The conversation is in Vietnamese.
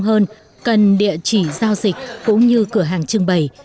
các nhân công hơn cần địa chỉ giao dịch cũng như cửa hàng trưng bày